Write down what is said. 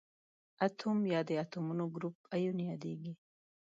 اتوم یا د اتومونو ګروپ ایون یادیږي.